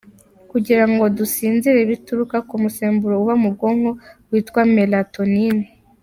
Kugirango dusinzire bituruka ku musemburo uva mu bwonko witwa mélatonine.